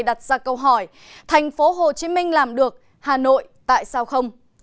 đặt ra câu hỏi thành phố hồ chí minh làm được hà nội tại sao không